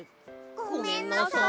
ごめんなさい！